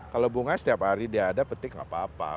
kalau bunga setiap hari dia ada petik nggak apa apa